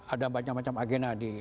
ada macam macam agenda di